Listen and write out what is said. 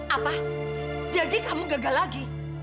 apa jadi kamu gagal lagi